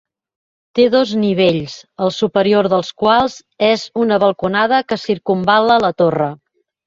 Té dos nivells, el superior dels quals és una balconada que circumval·la la torre.